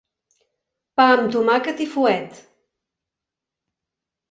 Pa amb tomàquet i fuet.